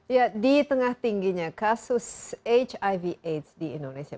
ya di tengah tingginya kasus hiv aids di indonesia